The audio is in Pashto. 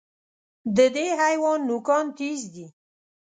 د دې حیوان نوکان تېز دي.